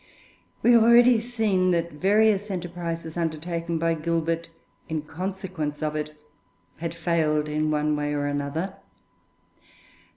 We have already seen that various enterprises undertaken by Gilbert in consequence of it had failed in one way or another.